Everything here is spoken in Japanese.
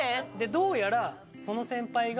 どうやらその先輩が。